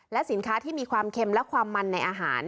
สินค้าที่มีความเค็มและความมันในอาหาร